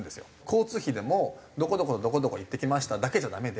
交通費でも「どこどことどこどこ行ってきました」だけじゃダメで。